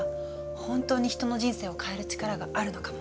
本当に人の人生を変える力があるのかも。